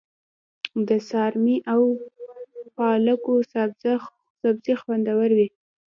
د څارمي او پالکو سابه خوندور وي.